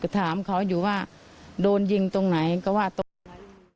ถามเขาอยู่ว่าโดนยิงตรงไหนก็ว่าตรงไป